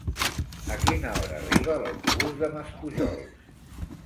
A quina hora arriba l'autobús de Maspujols?